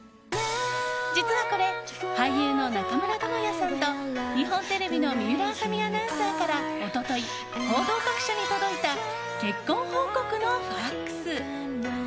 実はこれ、俳優の中村倫也さんと日本テレビの水卜麻美アナウンサーから一昨日、報道各社に届いた結婚報告のＦＡＸ。